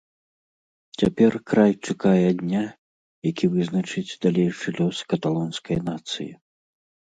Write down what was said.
Цяпер край чакае дня, які вызначыць далейшы лёс каталонскай нацыі.